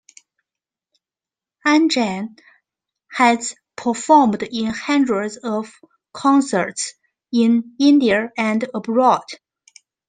Anjan has performed in hundreds of concerts in India and abroad.